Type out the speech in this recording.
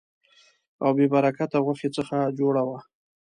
او بې برکته غوښې څخه جوړه وه.